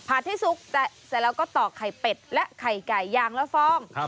ผัดให้สุกแต่เสร็จแล้วก็ตอกไข่เป็ดและไข่ไก่ยางละฟอง